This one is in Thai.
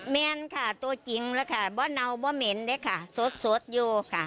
แม่อันค่ะโตจริงหรือค่ะไม่เหนาไม่เม้นนะค่ะสดอยู่ค่ะ